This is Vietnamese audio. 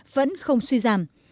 vẫn không suy giảm